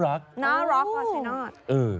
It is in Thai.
นารักชัยนาศ